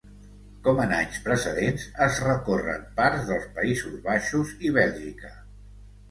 Com en anys precedents es recorren parts dels Països Baixos i Bèlgica.